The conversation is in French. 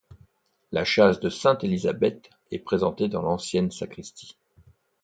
La châsse de sainte Élisabeth est présentée dans l'ancienne sacristie.